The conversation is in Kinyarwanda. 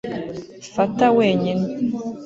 fata wenyine